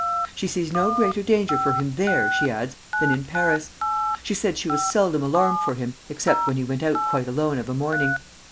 "She sees no greater danger for him there," she adds, "than in Paris. She said she was seldom alarmed for him except when he went out quite alone of a morning....